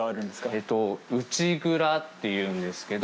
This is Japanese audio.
えっと内蔵っていうんですけど。